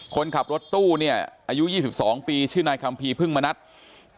คนขับรถตู้อายุ๒๒ปีชื่นนายคัมภีร์พึ่งมนัทบอกว่า